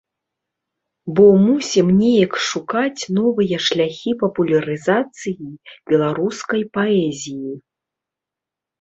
Бо мусім неяк шукаць новыя шляхі папулярызацыі беларускай паэзіі.